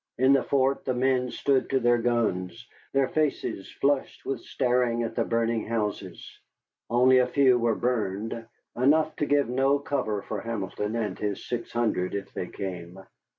In the fort the men stood to their guns, their faces flushed with staring at the burning houses. Only a few were burned, enough to give no cover for Hamilton and his six hundred if they came.